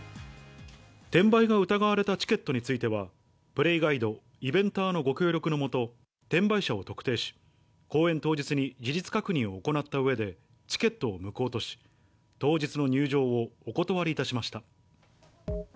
転売が疑われたチケットについては、プレイガイド、イベンターのご協力のもと、転売者を特定し、公演当日に事実確認を行ったうえで、チケットを無効とし、当日の入場をお断りいたしました。